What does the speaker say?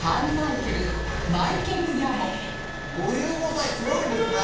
５５歳すごいですね。